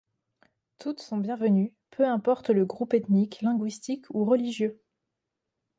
Toutes sont bienvenues, peu importe le groupe ethnique, linguistique ou religieux.